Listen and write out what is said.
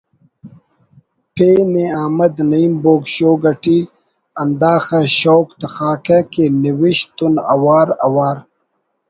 پین ءِ احمد نعیم بوگ شوگ اٹی ہنداخہ شوق تخاکہ کہ نوشت تون اوار اوار